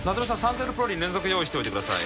３−０プローリン連続用意しておいてください